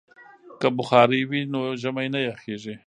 که بخارۍ وي نو ژمی نه یخیږي.